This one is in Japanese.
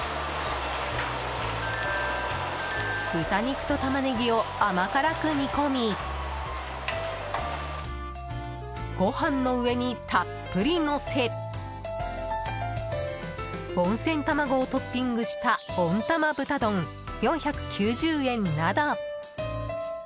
豚肉とタマネギを甘辛く煮込みご飯の上にたっぷりのせ温泉卵をトッピングした温玉豚丼、４９０円など。